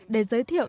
để giới thiệu